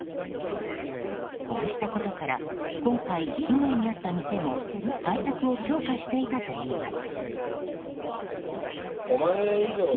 こうしたことから今回、被害に遭った店も対策を強化していたといいます。